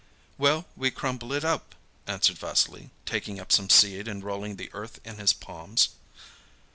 "Well, we crumble it up," answered Vassily, taking up some seed and rolling the earth in his palms.